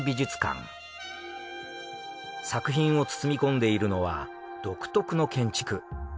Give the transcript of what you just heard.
作品を包み込んでいるのは独特の建築。